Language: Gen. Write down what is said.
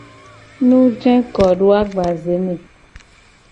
Nujekodoagbazeme.